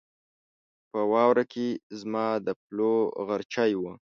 په واوره کې زما د پلوو غرچی و